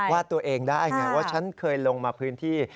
ว่าตัวเองได้ไงว่าฉันเคยลงมาพื้นที่